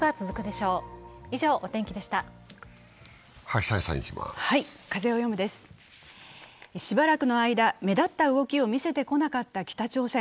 しばらくの間、目立った動きを見せてこなかった北朝鮮。